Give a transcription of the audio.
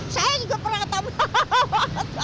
saya juga pernah atap lalu